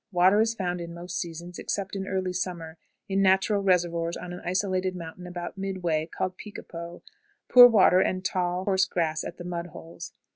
Water is found in most seasons, except in early summer, in natural reservoirs on an isolated mountain about midway, called "Picapo;" poor water and tall, coarse grass at the mud holes.